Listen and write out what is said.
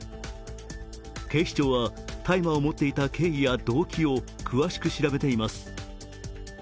警視庁は、大麻を持っていた経緯や動機を詳しく調べています。